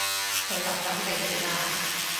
佢流緊鼻血呀